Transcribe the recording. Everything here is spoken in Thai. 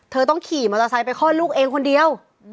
เธอต้องขี่มอเตอร์ไซค์ไปคลอดลูกเองคนเดียว